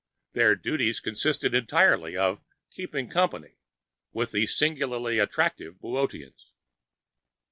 Their "duties" consisted entirely of "keeping company" with the singularly attractive Boöteans.